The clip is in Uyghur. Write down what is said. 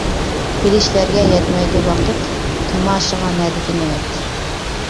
بىلىشلەرگە يەتمەيدۇ ۋاقىت، تاماشىغا نەدىكى نۆۋەت.